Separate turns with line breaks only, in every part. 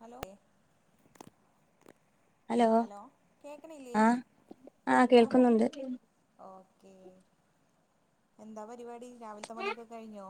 Hello
hello ആഹ് ആഹ് കേൾക്കുന്നുണ്ട്
ഓക്കേ എന്താ പ പരിപാടി രാവിലത്തെ പണിയൊക്കെ കഴിഞ്ഞോ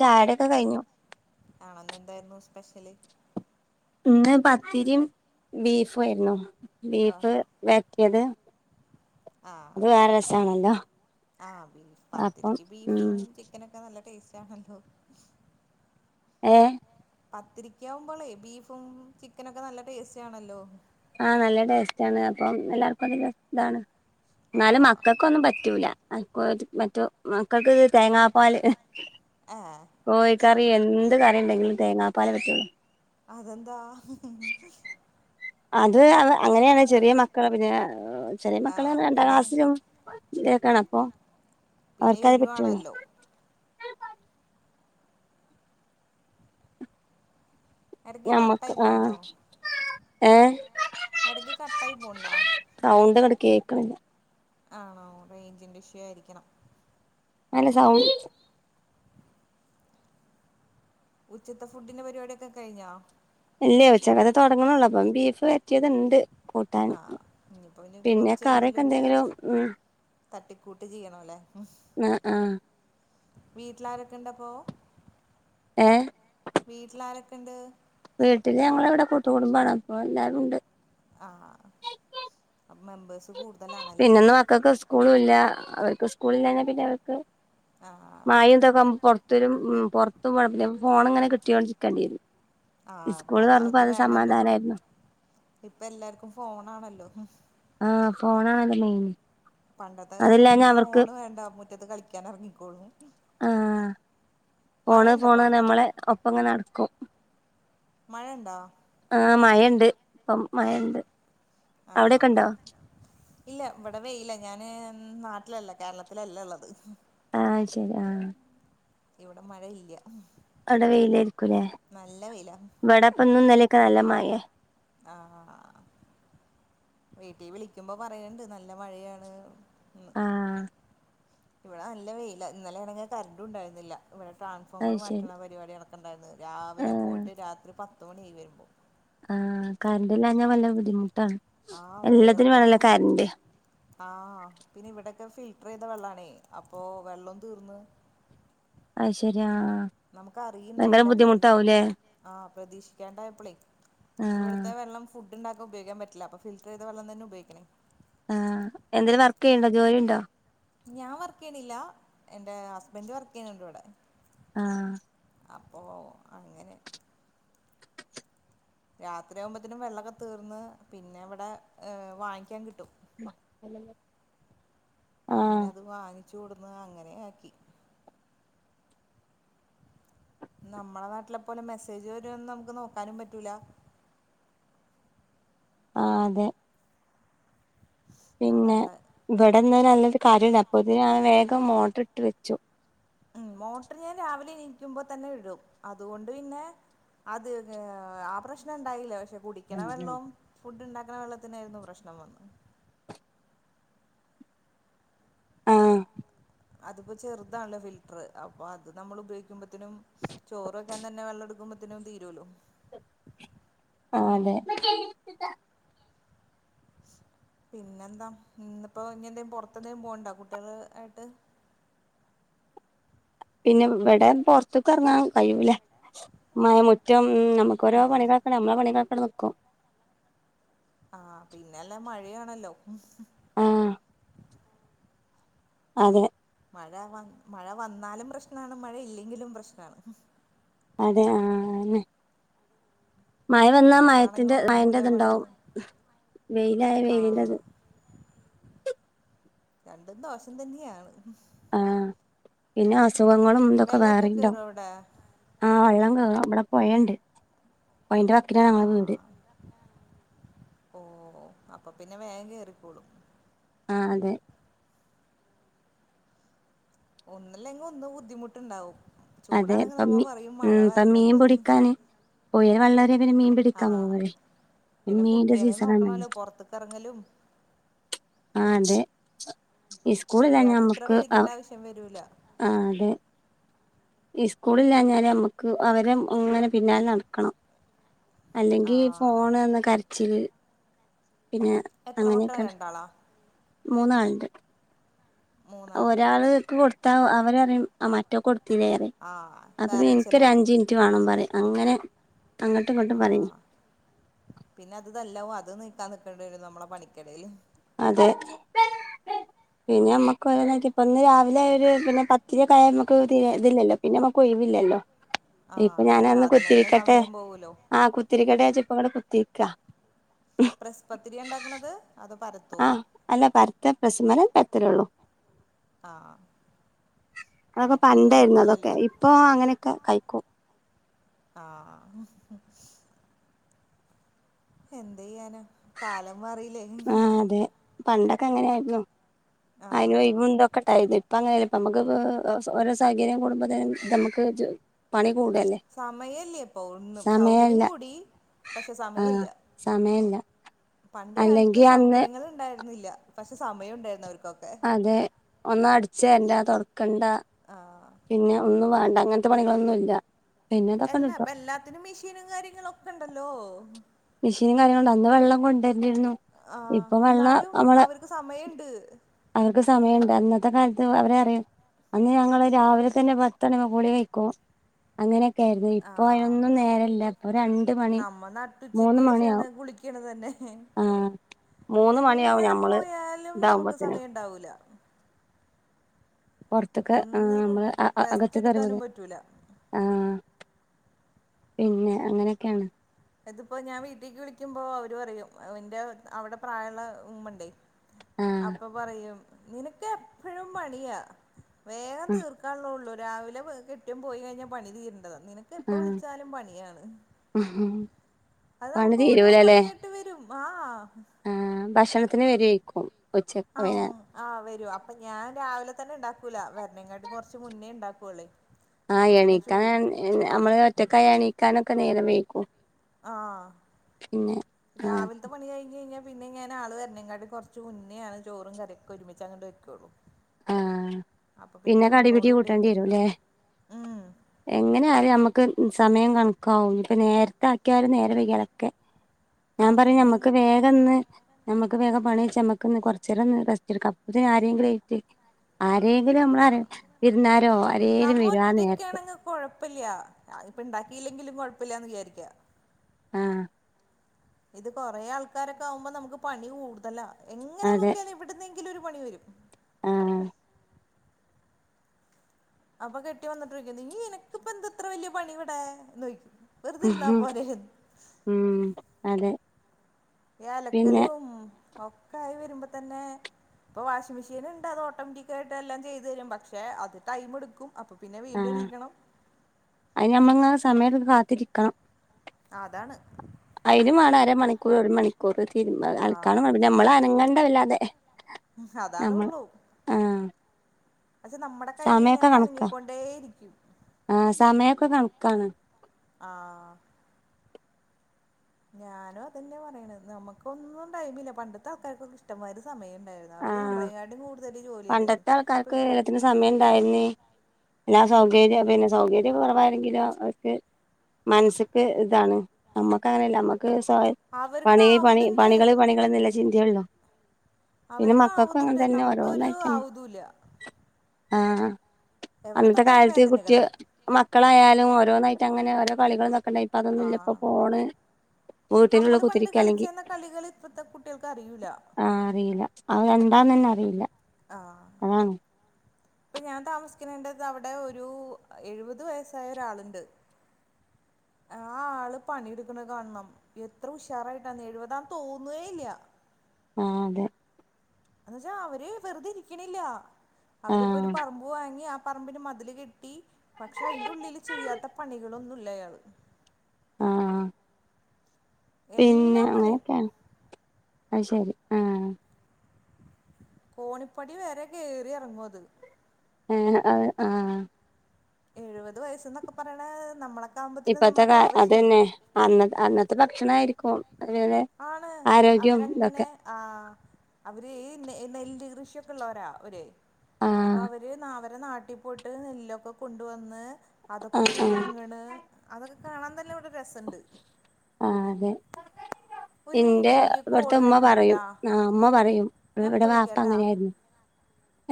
ചായടിയൊക്കെ കയ്ഞ്ഞു
ആണല്ലെ എന്തായിരുന്നു സ്പെഷ്യല്
ഇന്ന് പത്തിരിയും ബീഫും ആയിരുന്നു. ബീഫ് വരട്ടിയത്
ആ
വേറെ രസാണല്ലോ
ആ ബീഫ്
അപ്പം
പത്തിരിക്ക്
ഉം
ബീഫും ചിക്കനൊക്കെ നല്ല ടേസ്റ്റ് ആണല്ലോ
ഏഹ്
പത്തിരിക്കാവുമ്പോളേ ബീഫും ചിക്കനൊക്കെ നല്ല ടേസ്റ്റ് ആണല്ലോ
ആഹ് നല്ല ടേസ്റ്റ് ആണ്. അപ്പം എല്ലാർക്കും അതൊരു ഇതാണ് ഇന്നാലും
ആഹ്
മക്കക്കൊന്നും പറ്റൂല മറ്റോ മക്കക്ക് തേങ്ങാപ്പാല്
ഏഹ്
കോയിക്കറിയേ എന്ത് കറിണ്ടെങ്കിലും തേങ്ങാപ്പാലേ പറ്റൊളളൂ
അതെന്താ
അത് അങ്ങനെയാണ് ചെറിയ മക്കള് പിന്നെ ചെറിയ മക്കള്
ആഹ്
അർഞ്ഞാ രണ്ടാം
പിന്നെ
ക്ലാസ്സിലും ഇതിലെക്കേണ് അപ്പൊ
പിന്നെ
അവർക്കത് പറ്റുള്ളൂ
എരുവാണല്ലോ ഇടക്ക്
ഞമുക്ക്
കട്ടായി
ആഹ്
പോണ്ടോ
ഏഹ്
ഇടക്ക് കട്ടായി പോണ്ടാ
സൗണ്ട് ഇങ്ങട് കേക്ക്ണില്ല
ആണോ റേഞ്ചിന്റെ ഇഷ്യൂ ആയിരിക്കണം
നല്ല സൗ
ഉച്ചത്തെ ഫുഡിന്റെ പരിപാടിയൊക്കെ കഴിഞ്ഞോ
ഇല്ലേ ഉച്ചകത്തെ തൊടങ്ണൊള്ളൂ അപ്പം ബീഫ് വരട്ടിയത്ണ്ട് കൂട്ടാൻ
ആഹ് ഇനിയിപ്പോ ഇനി
പിന്നെ
കൊറച്ച്
കറിയൊക്കെ
എന്തേലും
എന്തെങ്കിലും ഉം
തട്ടിക്കൂട്ട് ചെയ്യണോല്ലേ ഉം
ആ ആ
വീട്ടിലാരൊക്കെണ്ട് അപ്പൊ
ഏഹ്
വീട്ടിലാരൊക്കെ ഇണ്ട്
വീട്ടില് ഞങ്ങളവിടെ കൂട്ടുകുടുമ്പാണ് അപ്പോ എല്ലാരുണ്ട്
ആഹ് അപ്പൊ മെമ്പേഴ്സ് കൂടുതലാണല്ലേ
പിന്നന്നും മക്കക്ക് സ്കൂളൂല്ല അവർക്ക് സ്കൂളില്ലാഞ്ഞാ പിന്നെ അവർക്ക്
ആഹ്
മയിം ഇതൊക്കാവുമ്പൊ പൊറത്തൊരും പുറത്തും പോ പിന്നെ ഫോണ്ങ്ങനെ കിട്ട്യോണ്ടിരിക്കേണ്ടിയേരും
ആഹ്
സ്കൂള് തുറന്നപ്പോ അത് സമാധാനാ ര്ന്നു
ഇപ്പ എല്ലാർക്കും ഫോണാണല്ലോ
ആഹ് ഫോണ് ആണല്ലൊ മെയിൻ
പണ്ടത്തെ കാലാണെങ്ക ഫോണ് വേണ്ട മുറ്റത്ത് കളിക്കാൻ എറങ്ങിക്കോളും
ആ ഫോണ് ഫോണ്
മഴണ്ടപ്പോ
പറഞ്ഞ്
അവിടെ
നമ്മളെ ഒപ്പങ്ങനെ നടക്കും
മഴയണ്ടാ
ആ മഴണ്ട് ഇപ്പം മഴണ്ട് അവിടെക്കെ
ആഹ്
ഉണ്ടോ
ഇല്ല ഇവിടെ വെയിലാ ഞാന് ഉം നാട്ടിലല്ല കേരളത്തിലല്ല ഇള്ളത്
ആഹ് അയ്ശരി ആഹ്
ഇവിടെ മഴ ഇല്ല്യ
അവിടെ വെയിലായിരിക്കൂല്ലേ
നല്ല വെയില
ഇവടെപ്പന്നും ഇന്നലൊക്കെ നല്ല മഴെ
ആഹ് വീട്ടീ വിളിക്കുമ്പോ പറയ്ണ്ട് നല്ല മഴയാണ് ന്ന്
ആഹ്
ഇവിടെ നല്ല വെയിലാ ഇന്നലെആണെങ്കി കറണ്ടും ഉണ്ടായിരുന്നില്ല ഇവിടെ
അത്
ട്രാൻസ്ഫോമർ
ശരി
മാറ്റ്ണ പരിപാടി നട ക്ക്ണ്ടായിര്ന്നു രാവിലെ പോയിട്ട് രാത്രി പത്തുമണിയായി വരുമ്പോ
ആ കറണ്ടില്ലാഞ്ഞാ വെല്ല ബുദ്ധിമു
ആഹ് വെയർത്തിട്ട് ആഹ് പിന്നെ ഇവിടെ ഒക്കെ ഫിൽട്ടർ ചെയ്ത വെള്ളാണേ അപ്പൊ വെള്ളോം തീർന്ന്
അയ്ശരിയാ ആ
നമുക്ക് അറിയിണ്ടായില്ല, പ്രതീക്ഷിക്കാ ആഹ പ്രതീക്ഷിക്കാണ്ടായപ്പോളേ
ആഹ്
ഇവിടത്തെ വെള്ളം ഫുഡ് ഉണ്ടാക്കാ ഉപോഗിക്കാൻ പറ്റില്ല അപ്പ ഫിൽറ്റർ ചെയ്ത വെള്ളം തന്നെ ഉപയോഗിക്കണേ
ആഹ എന്തേങ്കലും വർക്ക് ചെയ്യ്ണ്ടോ ജോലി ഉണ്ടോ
ഞാൻ വർക്കെയ്യേണില്ല എന്റെ ഹസ്ബൻഡ് വർക്ക് ചെയ്യ്നുണ്ടിവിടെ
ആ
അപ്പോ അങ്ങനെ രാത്രിയാകുമ്പത്തിനും വെള്ളോക്കെ തീർന്ന് പിന്നെ ഇവിടെ ഏ വാങ്ങിക്കാൻ കി
ആ
ചൂടുന്ന് അങ്ങനെ ആക്കി നമ്മളെ നാട്ടിലെ പോലെ മെസ്സേജ് വരുംന്ന് നമുക്ക് നോക്കാനും പറ്റൂലാ
ആ അതെ പിന്നെ
അതാണ്ട്
ഇവിടെന്നും നല്ലോരു കാര്യമില്ല അപ്പൊത്തിനു വേഗം മോട്ടർ ഇട്ട് വെച്ചു
ഉം മോട്ടറ് ഞാൻ രാവിലെ എണീക്കുമ്പോ തന്നെ ഇടും അതുകൊണ്ട് പിന്നെ അത് അതെ ആ പ്രശ്നം ഉണ്ടായില്ല പക്ഷേ കുടിക്കണ വെള്ളവും ഫുഡ് ഇണ്ടാക്ക്ണ വെള്ളത്തിനായിരുന്നു പ്രശ്നം വന്നത്
ആ
അത്പ്പൊ ചെറുതാണല്ലൊ ഫിൽട്ടർ അപ്പൊ അത് നമ്മൾ ഉപയോഗി ക്കുംമ്പത്തിനും ചോറ് വെക്കാൻ തന്നെ വെള്ളം എടുക്കുമ്പോത്തിനും തീരൂല്ലോ
ആ അതെ
പിന്നെന്താ ഇന്ന്പ്പോ ഇനി എന്തേം പൊറത്ത് എന്തേം പോവ്‌ണ്ടൊ കുട്ടികള് ആയിട്ട്.
പിന്നെ വ്‌ടെ പൊർത്ത്ക്ക് എറങ്ങാൻ കഴിയൂല മയ മുറ്റം ഉം നമുക്ക്
ആ
ഓരോ
ഒന്ന്
പണികളൊക്കെണ്ട്. നമ്മളെ പണികളൊക്കവടെന്ന് ക്കും.
ആ പിന്നെല്ല മഴയാണല്ലോ മ്.
ആ അതെ
മഴ വന്ന് മഴ വന്നാലും പ്രശ്നാണ് മഴ ഇല്ലെങ്കിലും പ്രശ്നാണ്
അതെ ആ ആ ന്നെ മഴ വന്നാ
തുണികളാണെങ്കി
മഴത്തിന്റെ
ഉണങ്ങൂല മഴ
മഴേന്റെതുണ്ടാവും
വന്ന
വെയിലായാ
ആ
വെയിലിന്റെതും
രണ്ടും ദോഷം തന്നെയാണ്
ആഹ് പിന്നെ അസുഖങ്ങളും ഇതൊക്കെ
വെള്ളൊക്കെ
വേറെണ്ടാവും
കേറോ അവിടെ
ആ വെള്ളം കേറും അവ്ടെ പൊയാണ്ട്. പൊയന്റെ വക്കില
ആ
ഞങ്ങള് വീട്
ഓ അപ്പൊ പിന്നെ വേഗം കേയറിക്കോളും.
ആ അതെ
ഒന്നില്ലെങ്കിൽ ഒന്നു ബുദ്ധിമുട്ടുണ്ടാവും
അതെ.
ചൂടാണെങ്കിൽ
ഇപ്പൊ
നമ്മ
മി
പറയും
മ്
മഴ
പ്പ മീൻ
വരണംന്ന്
പുടിക്കാന് പോയേല് വള്ളരെ
ആ പിന്നെ
മീന്റെ
കുട്ടികളെ
സീസണാണല്ലോ
നോക്കണല്ലോ പൊറത്ത്ക്കെറങ്ങലും.
ആ അതെ ഇസ്കൂളില്ലേഞ്ഞാ
ചൂടുകാലത്ത് ഇത്ര
നമ്മുക്ക് ആഹ്
പേടിക്കേണ്ട ആവശ്യം വരൂല
അതെ. ഇസ്കൂളില്ലേഞ്ഞാല് നമ്മക്ക് അവരെ ഇങ്ങനെ പിന്നാലെ നടക്കണം. അല്ലെങ്കി ഫോണ്
ആഹ്
ഒ ന്ന് കരച്ചില്. പിന്നെ
എത്ര മക്കളാ
അങ്ങനെയൊക്കെയാണ്.
രണ്ടാളാ
മൂന്നാളുണ്ട്.
മൂന്നാളണ്ടാ
ഒരാൾക്ക് കൊടുത്താ
അപ്പൊ
അവരു പറയും മറ്റോക്ക് കൊടു ത്തില്ലേ പറയും.
ആഹ്
അപ്പൊ എനിക്കൊരു
കരച്ചിലാവും
അഞ്ചു മിനിറ്റ് വേണം പറയും. അങ്ങനെ അങ്ങട്ടും ഇങ്ങട്ടും പറയണേ.
ആഹ് ക്കാൻ നിക്കണ്ടി വരും നമ്മടെ പണിക്കിടയില്.
അതെ. പിന്നെ നമ്മക്ക് ഇപ്പൊ ഇന്ന് രാവിലെ ഒരു പിന്നെ പത്തിരി ഒക്കായ നമ്മക്ക് തീരെ ഇതില്ലല്ലോ പിന്നെ നമ്മക്ക് ഒഴിവില്ലല്ലോ. ഇപ്പൊ
ആഹ് അത്
ഞാന് ഒന്ന് കുത്തി
അതിനന്നെ
ഇരിക്കട്ടെ.
സമയം പോവൂലോ
ആഹ് കുത്തിരിക്കട്ടെ വിചാരിച്ചു ഇപ്പ ഇവിടെ കുത്തിയിരിക്ക.
പ്രസ് പത്തിരിയാ ഉണ്ടാക്കണത്. അതോ പരത്തോ
ആഹ് അല്ല പരത്താ പ്രസ്സുമ്മേലാ പരത്തണൊള്ളൂ.
ആഹ്
അതൊക്കെ
മറ്റത്
പണ്ടായിരുന്നു അതൊക്കെ.
എളുപ്പല്ലല്ലോ
ഇപ്പൊ അങ്ങനെയൊക്കെ കഴിക്കും.
ആഹ് എന്തെയ്യാന കാലം മാറിലേ
ക്കങ്ങനായിര്ന്നു
ആഹ്
അയ്നൊയ്വും തൊക്കെട്ടായത് പ്പ ങ്ങനല്ല പ്പ മ്മക്ക് ഓരോ സാഹചര്യം കൂടുമ്പോത്ത് നും നമ്മക്ക് ച്ച് പണി കൂടല്ലേ
സമയല്ല്യ പ്പൊ ഒന്നും സൗകര്യം
സമയല്ല
കൂടി പക്ഷെ
ആ
സമയല്ല
സമയല്ല
പണ്ട് കാലത്ത്
അല്ലെങ്കി അന്ന്
സൗകര്യങ്ങൾ ണ്ടായിര്ന്നില്ല പക്ഷെ സമയം ണ്ടായിര്ന്നു അവർക്ക്
അതെ ഒന്നട്ചേരണ്ട തൊട്ക്കണ്ട
ആഹ്
പിന്നെ ഒന്നും വാ അങ്ങൻത്തെ പണികളൊന്നുംല്ല
എല്ലാ പ്പൊ എല്ലാത്തിനും മെഷീനും കാര്യങ്ങളൊക്കെണ്ടല്ലോ
മിഷീനും കാര്യങ്ങളുണ്ട് അന്ന് വെള്ളം കൊണ്ടര് ന്റീര്ന്നു
ആഹ് ന്നാലും അവർക്ക് സമയണ്ട്
അവർക്ക് സമയണ്ട് അന്നത്തെ കാലത്ത് അവരറിം അന്ന് ഞങ്ങള് രാവിലെ തന്നെ പത്തണ്യാവുമ്പോ കുളൈക്കും അങ്ങനെ ക്കേര്ന്നു ഇപ്പൊ
ആഹ്
അയ്നൊന്നും നേരല്ല പ്പൊ രണ്ട് മണി
നമ്മ
മൂന്ന് മണ്യാവും.
ഹും എങ്ങനെ
ഞമ്മള്
പോയാലും നമുക്ക്
ഇതാവുമ്പോത്തിനും
സമയം ഉണ്ടാവൂ ല
പൊർത്ത്ക്ക് ആ മ്മള് അഅ
റെസ്റ്റ് എടുക്കാനും
അകത്ത്ക്കറിംമ്പോതിന്
പറ്റൂല
ആഹ് പിന്നെ അങ്ങനെക്കേണ്
ഇത്പ്പോ ഞാ വീട്ടീക്ക് വിളിക്കുമ്പോ അവര്പറയും അവന്റെ അവടെ പ്രായള്ള ഉമ്മണ്ടേ.
ആ
അപ്പൊ പറയും നിനക്ക് എപ്പഴും പണിയാ വേഗം
ആ
തീർക്കാള്ളോള്ളൂ രാവിലെ വ് കെട്ട്യോൻ പോയി കഴിഞ്ഞാൽ പണി തീരണ്ടതാ നിനക്ക് എപ്പ
ആ
വിളിച്ചാലും പണിയാണ് അത
പണി
മുക്ക് ഓരോ
തീരൂലല്ലേ
പണ്യായിട്ട് വരും ആഹ്
ആ ഭക്ഷണത്തിന് വരുഏക്കും
ആ ഉ ആഹ് വരും അപ്പൊ ഞാൻ രാവിലെ തന്നെ ണ്ടാ ക്കൂല വര്നെകാട്ടിം കൊർച്ച് മുന്നേ ണ്ടാക്കുവൊള്ളേ.
ആ എണീക്കാൻ ഞമ്മള് ഒറ്റക്കായ എണീക്കാനൊക്കെ നേരം വൈകും
ആഹ്
പിന്നെ ആ
രാവിൽത്തെ പണി കൈഞയ്ഞ പിന്നെ ഞാൻ ആള് വെര്ണേകാട്ടിം കൊർച്ച് മുന്നെയാണ് ചോറും കറിയൊക്കെ ഒര്മിച്ചങ്ങട്ട് വെക്കോളു.
ആഹ് പിന്നെ കടിപിടി
ചൂടോട് കൂടി
കൂട്ടണ്ടി
വെക്കല്
വെരും ല്ലേ
ഉം
എങ്ങനെയായാലും ഞമ്മക്ക് സമയം കണ് ക്കാവും ഇനിപ്പൊ നേരത്തെ ആക്കിയാലും നേരം വൈകിയാലൊക്കെ ഞാൻ പറയാ
അതന്നെയാണ്
ഞമ്മക്ക് വേഗംന്ന് ഞമ്മക്ക് വേഗം പണി കയിച്ച് ഞമ്മക്കൊന്ന് കൊർച്ചേരം ഒന്ന് റസ്റ്റെ‌ട്ക്കാ അപ്പോത്തിന് ആരെങ്കിലും ആയിറ്റ് ആ
ആഹ്
ആരേലും
നമ്മ
വരും ആ നേരത്ത്
ഒറ്റക്കാണെങ്കി കൊഴപ്പയില്ല അത് ഇപ്പ ഇണ്ടാക്കി യില്ലെങ്കിലും കൊഴപ്പില്ലാന്ന് വിചാരിക്കാ
ആഹ്
ഇത് കൊറേ ആൾക്കാരൊക്കാവുമ്പോ നമ്മക്ക് പണി കൂടുതലാ എങ്ങനെ
അതെ
നോക്ക്യാലും എവ്ട്ന്നെ ന്തെങ്കിലൊരു പണി വരും.
ആഹ്
അപ്പൊ കെട്ട്യോൻ വന്ന്ട്ടോയ്ക്കും നീ നിനക്ക്പ്പന്താ ഇത്ര വല്ല്യ പണിവടെ എന്ന് ചോയിക്കും വെറുതിട്ര്ന്നാ
ഉം
പോരേ
ഉം അതെ
ഈ
പിന്നെ
അലക്കലും ഒക്കായി വര്മ്പോ തന്നെ പ്പൊ വാഷി മിഷീൻ ണ്ട് അതോട്ടോമറ്റിക്കായിട്ട് എല്ലാം ചെയ്തേരും പക്ഷെ അത് ടൈം ട്ക്കും അപ്പൊ പിന്നെ വീണ്ടും
ആഹ്
ഇരിക്കണം
അയ്നമ്മൾങ്ങനെ സമയൊക്കെ കാത്തിരിക്കണം
അതാണ്
അയ്നും മാണം അരമണിക്കൂർ ഒരു മണിക്കൂർ തിര്മ്പാൻ അൽക്കാനും മാണം പിന്നെ മ്മൾ അനങ്ങണ്ട വല്ലാതെ നമ്മള്
അതാണൊള്ളൂ
ആഹ്
പക്ഷെ നമ്മുടെ
സമയൊക്കെ
കൈങ്ങനെ
കണക്കാ
അനങ്ങിക്കൊണ്ടേ ഇരിക്കും
ആഹ് സമയൊക്കെ കൺക്കാണ്
ആഹ് ഞാനും അത്ന്നെ പറയണ് നമുക്കൊന്നും ൈമില്ല പണ്ടത്തെ ആൾക്കാർക്ക ഇഷ്ടംമാരു സമയം ഉണ്ടായിരുന്നു അവര്
ആഹ
നമ്മളെക്കാട്ടും കൂടുതൽ ജോലി ചെയ്തായിരുന്നു
പണ്ടത്തെ
ഇപ്പ
ആൾക്കാർക്ക് എല്ലത്തിന് സമയം എന്തായിന്ന് എല്ലാ സൗകര്യ പിന്നെ സൗകര്യ കുറവാരങ്കിലും അവർക്ക് മനസ്സക്ക് ഇതാണ് നമ്മുക്ക് അങ്ങനെല്ല നമ്മക്ക്
അവർക്ക്
പണി പണി
ആവുതുണ്ട്
പണികൾ പണികളന്നല്ല ചിന്തയല്ലോ
അവർക്ക ആവതുണ്ട്
തന്നെ
നമുക്ക് ഒരു ആവതല്ല
ആഹ അന്നത്തെ കാലത്ത് കുട്ടി
വേദനകളാ
മക്കളായാലും ഓരോന്നായിട്ട അങ്ങനെ ഇ കളികൾ നക്കണ്ട ഇപ്പൊ അതൊന്നുമ ഇപ്പോൊ ഫോണ് വീട്ടിനുള്ള
നമ്മൾ കണ്ട്
കുത്തിരിക്ക അല്ലെങ്കിൽ
കളിച്ചെന്ന കളികൾ ഇപ്പത്തെ കുട്ടികൾക്ക് അറിയിൂല
ഉണ്ടന്ന തന്നെ അറിയില്ല അതാണ്
ഇപ്പൊ ഞാൻ താമസിക്കേണ്ടത് അവിടെ ഒരു എഴുപത് വയസായ ഒരാളുണ്ട്
[inaudible]
ആ ആള് പണിെടുക്കണ കാണണം എത്ര ഉഷാറായിട്ടാന്ന് എഴുപതാന്ന് തോന്നേ ഇല്ല
ആഹ അതെ
എന്ന വച്ചാ അവര് വെറുത ഇരിക്കണില്ല അവരിപ്പോൊ ഒരു
ആഹ്
പറമ്പ് വാങ്ങി പറമ്പിന് മതില് കെട്ടി പക്ഷെ അയിന്റെ ഉള്ളില് ചെയ്യാത്ത പണികളൊന്നുംല്ലയാള്
ആഹ പിന്നെ
എല്ലാം പണിയും
അങ്ങനെയൊക്കെ അ ശരി ആഹ
കോണിപ്പടി വേരെ കയറി ഇറങ്ങുംത്
ആഹ് അ ആഹ്
എഴുപത് വയസ്സ്ന്നൊക്കെ പറയണ നമ്മളൊക്കെ ആകുമ്പത്തിന്
ഇപ്പത്തെ
നമ്മളൊക്കെ
ക
അവശയാവും
അതന്നെ അന്ന അന്നത്തെ ഭക്ഷണയിരിക്കും
ആണ് അവരങ്ങനെ ആ അവര് നെല് കൃഷ അ അവ
ആഹ്
ന നാട്ടിൽ പോയിട്ട് നെല്ലൊക്കെ കൊണ്ടുവന്ന് അതൊക്കെ
ആഹ് ആഹ്
പുഴുങ്ങണ് അതൊക്കെ കാണാൻ തന്നെ ഇവിടെ രസുണ്ട്
അ എന്റെ ഇവിടുത്തെ ഉമ്മ
വരുന്നുണ്ട്
പറയും
ട്ടാ
ആ അമ്മ പറയും
ഞാൻ ഇപ്പ
ഇവിടെ പാപ്പ
വിളിക്കാട്ടാ
അങ്ങനെയ ആയിരുന്നു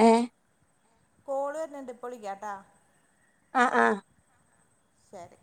എഏ
കോള് വുന്നിണ്ട് ഇപ്പൊളിക്കാട്ടാ
ആ ആ
ശരി